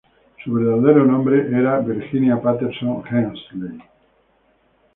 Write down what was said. Su verdadero nombre era Virginia Patterson Hensley.